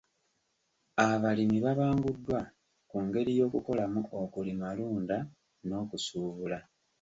Abalimi babanguddwa ku ngeri y'okukolamu okulimalunda n'okusuubula.